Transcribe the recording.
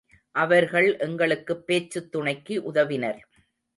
அவர்கள் எங்களுக்குப் பேச்சுத் துணைக்கு உதவினர்.